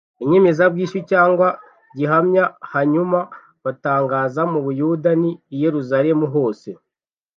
inyemezabwishyu cyangwa gihamya hanyuma batangaza mu buyuda n i yerusalemu hose